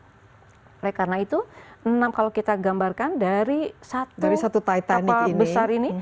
oleh karena itu kalau kita gambarkan dari satu kapal besar ini